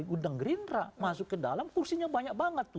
gudeng gerindra masuk ke dalam kursinya banyak banget tuh